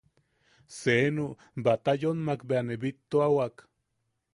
Seenu Batayonmak bea ne bittuawak.